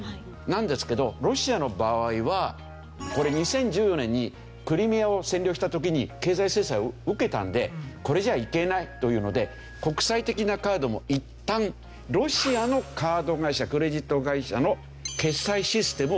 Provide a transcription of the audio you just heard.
なんですけどロシアの場合はこれ２０１４年にクリミアを占領した時に経済制裁を受けたんでこれじゃいけないというので国際的なカードもいったんロシアのカード会社クレジット会社の決済システムを使うようにしたんですよ。